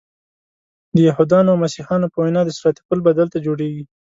د یهودانو او مسیحیانو په وینا د صراط پل به دلته جوړیږي.